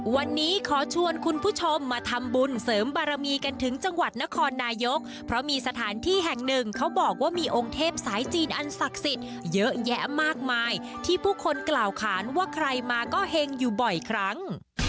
วันนี้ขอชวนคุณผู้ชมมาทำบุญเสริมบารมีกันถึงจังหวัดนครนายกเพราะมีสถานที่แห่งหนึ่งเขาบอกว่ามีองค์เทพสายจีนอันศักดิ์สิทธิ์เยอะแยะมากมายที่ผู้คนกล่าวขานว่าใครมาก็เห็งอยู่บ่อยครั้ง